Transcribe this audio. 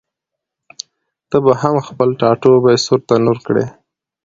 ته به هم خپل ټاټوبی سور تنور کړې؟